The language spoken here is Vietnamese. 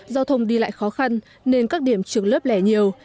giao thông đi lại khó khăn nên các điểm trường lớp lẻ nhiều